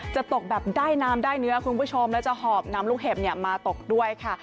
จะตกแบบได้น้ำได้เนื้อคุณผู้ชมแล้วจะหอบนำลูกเห็บมาตกด้วยค่ะ